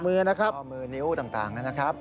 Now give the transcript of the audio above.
ห้อมือนะครับแล้วก็ออกมือนิ้วต่างนะครับ